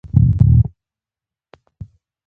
وراثت قوانين عواقب رامنځ ته کوي.